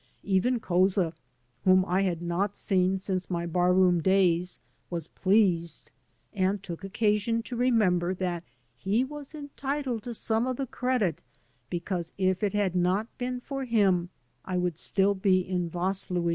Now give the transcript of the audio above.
Even Couza, whom I had not seen since my barroom days, was pleased, and took occasion to remember that he was entitled to some of the credit because if it had not been for him I would still be in Vaslui.